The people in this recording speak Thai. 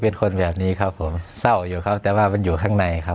เป็นคนแบบนี้ครับผมเศร้าอยู่ครับแต่ว่ามันอยู่ข้างในครับ